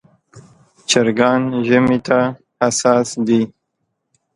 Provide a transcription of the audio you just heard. چرګان ژمي ته حساس دي.